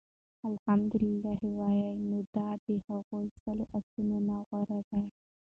اَلْحَمْدُ لِلَّه ووايي، نو دا د هغو سلو آسونو نه غوره دي